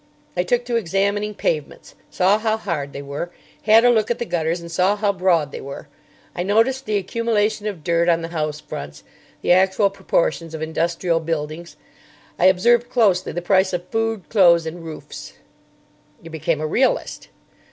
I took to examining pavements, saw how hard they were, had a look at the gutters, and saw how broad they were. I noticed the accumulation of dirt on the house fronts, the actual proportions of industrial buildings. I observed closely the price of food, clothes, and roofs." "You became a realist."